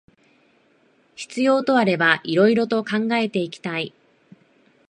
必要とあれば色々と考えていきたい